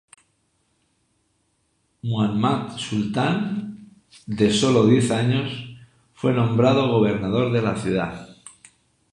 Muhammad Sultan, de solo diez años de edad, fue nombrado gobernador de la ciudad.